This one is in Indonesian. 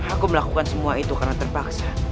aku melakukan semua itu karena terpaksa